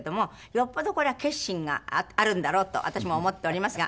よっぽどこれは決心があるんだろうと私も思っておりますが。